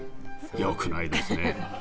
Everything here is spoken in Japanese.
良くないですね。